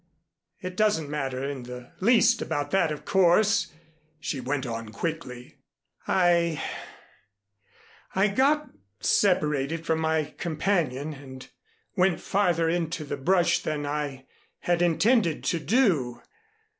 "It doesn't matter in the least about that, of course," she went on quickly. "I I got separated from my my companion and went farther into the brush than I had intended to do.